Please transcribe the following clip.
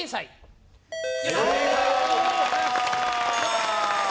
正解。